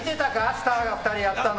スターが２人やったの。